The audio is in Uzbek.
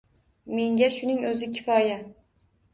Menga shuning o‘zi kifoya.